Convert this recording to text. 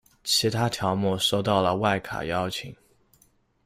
其他条目收到了外卡邀请。